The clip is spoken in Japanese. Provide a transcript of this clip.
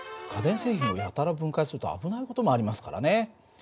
家電製品をやたら分解すると危ない事もありますからね。